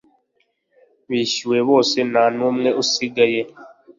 bishyuwe bose a nta numwe usigaye